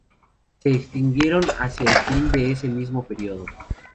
Se extinguieron hacia el fin de ese mismo período.